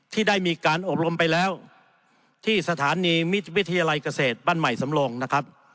ที่ได้มีการอบรมไปแล้วที่สถานีมิตรวิทยาลัยเกษตรบ้านใหม่สำรงนะครับ